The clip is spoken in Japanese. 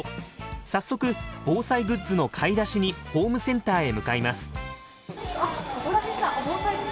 早速防災グッズの買い出しにホームセンターへ向かいます。